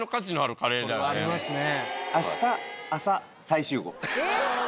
ありますね。